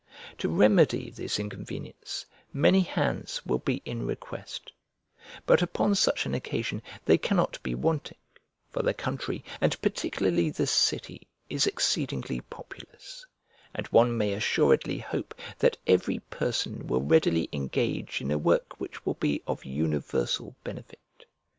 To remedy this inconvenience, many hands will be in request; but upon such an occasion they cannot be wanting: for the country, and particularly the city, is exceedingly populous; and one may assuredly hope that every person will readily engage in a work which will be of universal benefit.